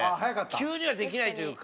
急にはできないというか。